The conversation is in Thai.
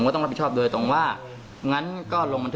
จะต่างอยู่เลยุ่นยังคุ้มของดี